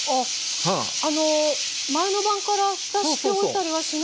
あの前の晩から浸しておいたりはしないっていう。